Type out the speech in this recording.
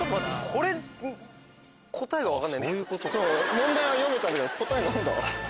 問題は読めたんだけど答え何だ？